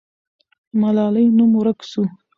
ملالۍ نوم ورک سو.